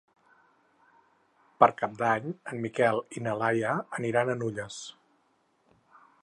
Per Cap d'Any en Miquel i na Laia aniran a Nulles.